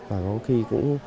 và có khi cũng